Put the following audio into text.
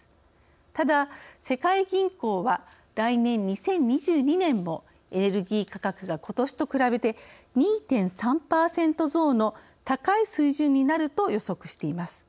ただ、世界銀行は来年２０２２年もエネルギー価格がことしと比べて２．３％増の高い水準になると予測しています。